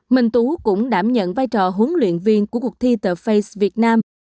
minh tú cũng đảm nhận vai trò huấn luyện viên của cuộc thi the face việt nam